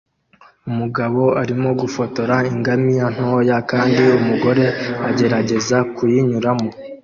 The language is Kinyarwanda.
Umugabo arimo gufotora ingamiya ntoya kandi umugore agerageza kuyinyuramo